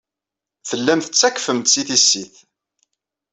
Tellam tettakfem-tt i tissit.